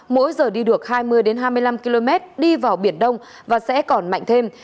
mỗi giờ đi được hai mươi hai mươi năm km đi vào biển đông và sẽ còn mạnh thêm